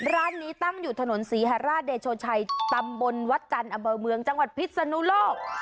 ร้านนี้ตั้งอยู่ถนนศรีฮราชเดโชชัยตำบลวัดจันทร์อำเภอเมืองจังหวัดพิษนุโลก